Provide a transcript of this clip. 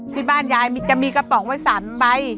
ที่บ้านยายจะมีกระป๋องไว้๓ใบ